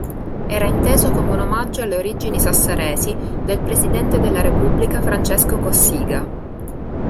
Era inteso come un omaggio alle origini sassaresi del Presidente della Repubblica Francesco Cossiga.